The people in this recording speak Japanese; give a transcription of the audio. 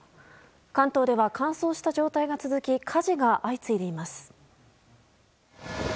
関東では乾燥した状態が続き火事が相次いでいます。